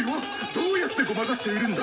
どうやってごまかしているんだ？